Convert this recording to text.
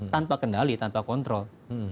tanpa kendali tanpa kontrol